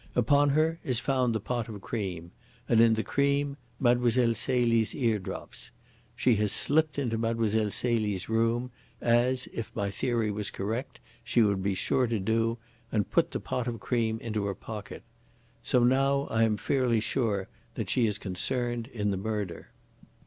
Upon her is found the pot of cream, and in the cream Mlle. Celie's eardrops. She has slipped into Mlle. Celie's room, as, if my theory was correct, she would be sure to do, and put the pot of cream into her pocket. So I am now fairly sure that she is concerned in the murder.